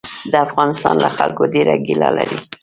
د افغانستان له خلکو ډېره ګیله لري.